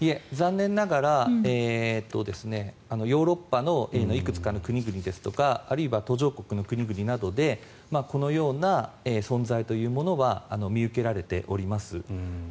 残念ながらヨーロッパのいくつかの国々ですとかあるいは途上国の国々などでこのような存在というものは見受けられております。